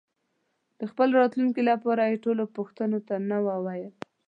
د خپل راتلونکي لپاره یې ټولو پوښتنو ته نه وویل.